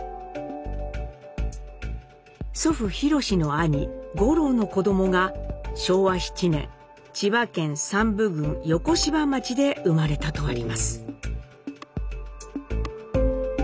祖父・博の兄五郎の子供が昭和７年千葉県山武郡横芝町で生まれたとあります。